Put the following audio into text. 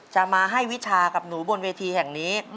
จะมาให้วิชากับหนูบนเวทีแห่งนี้